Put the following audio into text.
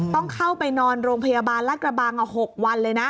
ต้องเข้าไปนอนโรงพยาบาลรัฐกระบัง๖วันเลยนะ